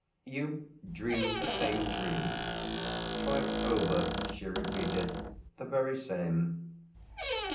"You've dreamed the same dream ?" "Twice over," she repeated. "The very same."